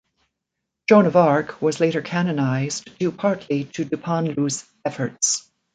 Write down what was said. Joan of Arc was later canonized, due partly to Dupanloup's efforts.